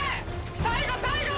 最後最後！